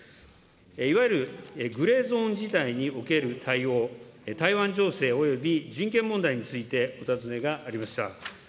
いわゆるグレーゾーン事態における対応、台湾情勢および人権問題について、お尋ねがありました。